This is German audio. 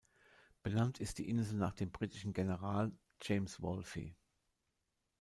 Benannt ist die Insel nach dem britischen General James Wolfe.